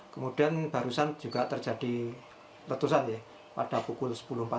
kemudian barusan juga terjadi letusan ya pada pukul sepuluh empat puluh